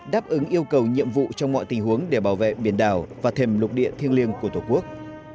đáp ứng yêu cầu nhiệm vụ trong mọi tình huống để bảo vệ biển đảo và thềm lục địa thiêng liêng của tổ quốc